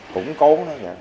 củng cố nó